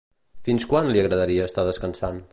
Fins quan li agradaria estar descansant?